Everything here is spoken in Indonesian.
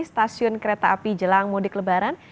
stasiun kereta api jelang mudik lebaran